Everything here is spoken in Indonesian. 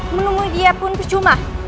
menemui dia pun kecuma